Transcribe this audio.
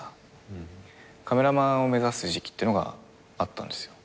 カメラマンを目指す時期っていうのがあったんですよ。